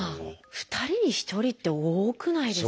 ２人に１人って多くないですか？